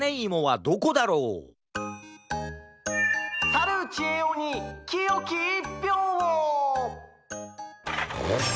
さるちえおにきよきいっぴょうを！